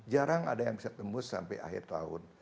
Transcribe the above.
jarang ada yang bisa tembus sampai akhir tahun